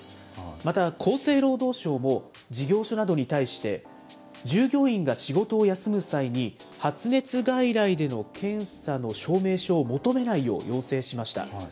また、厚生労働省も事業所などに対して、従業員が仕事を休む際に発熱外来での検査の証明書を求めないよう要請しました。